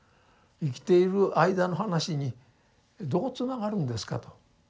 生きている間の話にどうつながるんですかと。